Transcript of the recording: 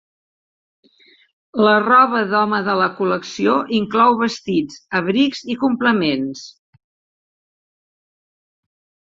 La roba d'home de la col·lecció inclou vestits, abrics i complements.